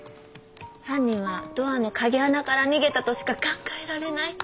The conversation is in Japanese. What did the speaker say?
犯人はドアの鍵穴から逃げたとしか考えられない。